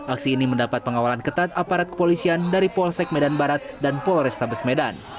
aksi ini mendapat pengawalan ketat aparat kepolisian dari polsek medan barat dan polrestabes medan